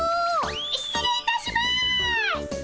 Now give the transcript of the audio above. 失礼いたします！